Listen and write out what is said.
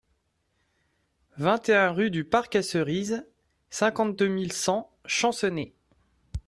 vingt et un rue du Parc À Cerises, cinquante-deux mille cent Chancenay